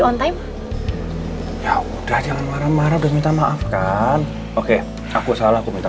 santai ya udah jangan marah marah udah minta maaf kan oke aku salah aku minta